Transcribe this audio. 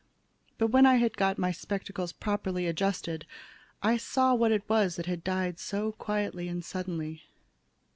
But when I had got my spectacles properly adjusted, I saw what it was that had died so quietly and suddenly.